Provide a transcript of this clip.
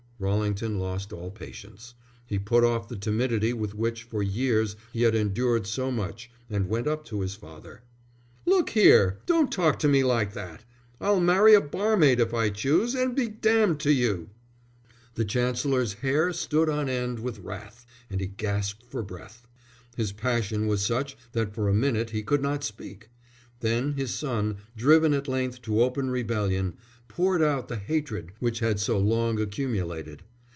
Rallington lost all patience. He put off the timidity with which for years he had endured so much and went up to his father. "Look here, don't talk to me like that. I'll marry a barmaid if I choose, and be damned to you!" The Chancellor's hair stood on end with wrath, and he gasped for breath. His passion was such that for a minute he could not speak. Then his son, driven at length to open rebellion, poured out the hatred which had so long accumulated.